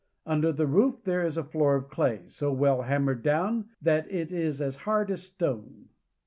Under the roof there is a floor of clay, so well hammered down that it is as hard as stone.